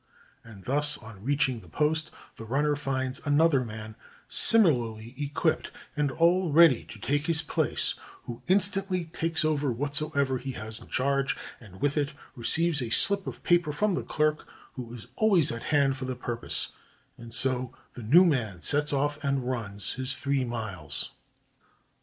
And thus on reaching the post the runner finds another man similarly equipped, and all ready to take his place, who instantly takes over whatsoever he has in charge, 114 HOW THE KHAN SENT HIS MESSAGES and with it receives a slip of paper from the clerk, who is always at hand for the purpose ; and so the new man sets off and runs his three miles.